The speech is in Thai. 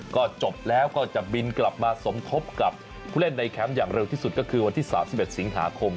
ก็จบแล้วก็จะบินกลับมาสมทบกับผู้เล่นในแคมป์อย่างเร็วที่สุดก็คือวันที่๓๑สิงหาคม